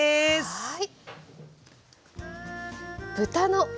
はい。